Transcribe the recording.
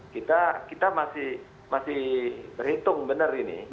kita kita masih masih berhitung benar ini